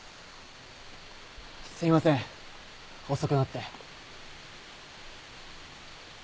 すいません遅くなって。